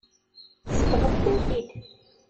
Tsebɣemt-ten-id.